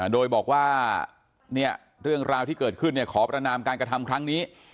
โดยบอกว่าเรื่องราวที่เกิดขึ้นขอประนามการกระทำครั้งนี้